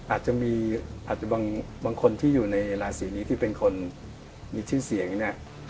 อาจจะมีอาจจะบางคนที่อยู่ในราศีนี้ที่เป็นคนมีชื่อเสียงเนี่ย